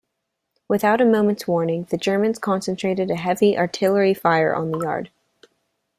Without a moment's warning, the Germans concentrated a heavy artillery-fire on the yard.